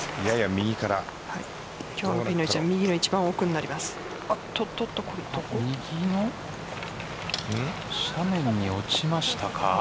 右の斜面に落ちました。